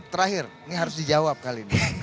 terakhir ini harus dijawab kali ini